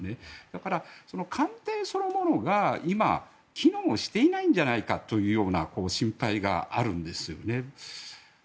だから、その官邸そのものが今、機能していないんじゃないかというような心配があるんですよね。